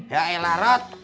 ya elah rot